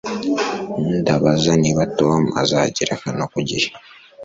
Ndabaza niba Tom azagera hano ku gihe